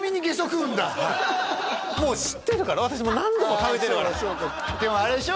もう知ってたから私何度も食べてるからでもあれでしょ？